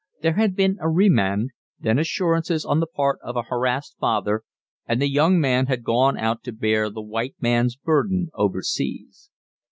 There had been a remand, then assurances on the part of a harassed father, and the young man had gone out to bear the White Man's Burden overseas.